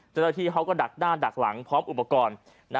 เจ้าหน้าที่เขาก็ดักด้านดักหลังพร้อมอุปกรณ์